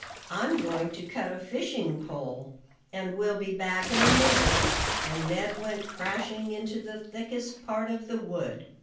"I'm going to cut a fishing pole, and will be back in a minute." And Ned went crashing into the thickest part of the wood.